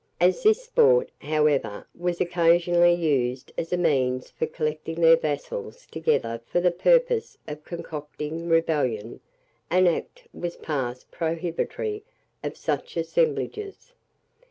As this sport, however, was occasionally used as a means for collecting their vassals together for the purpose of concocting rebellion, an act was passed prohibitory of such assemblages.